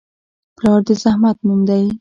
پلار د زحمت نوم دی.